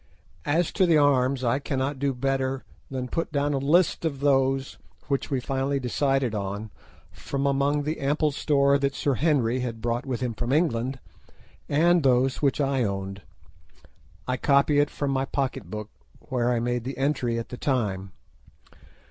As to the arms I cannot do better than put down a list of those which we finally decided on from among the ample store that Sir Henry had brought with him from England, and those which I owned. I copy it from my pocket book, where I made the entry at the time.